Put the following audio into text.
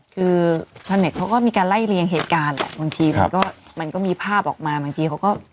คือชาวเน็ตเขาก็มีการไล่เลียงเหตุการณ์แหละบางทีมันก็มันก็มีภาพออกมาบางทีเขาก็